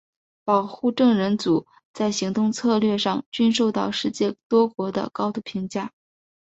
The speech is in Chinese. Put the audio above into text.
保护证人组在行动策略上均受到世界多国的高度评价。